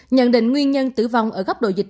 nhận định nguyên nhân tử vong ở góc độ dịch